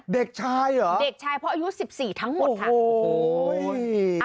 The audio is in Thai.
เด็กชายเหรอเด็กชายเพราะอายุสิบสี่ทั้งหมดค่ะโอ้โห